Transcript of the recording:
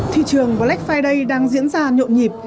thị trường black friday đang diễn ra nhộn nhịp